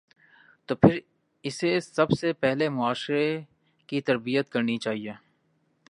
تو پھر اسے سب سے پہلے معاشرے کی تربیت کرنی چاہیے۔